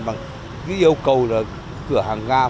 bằng cái yêu cầu là cửa hàng ga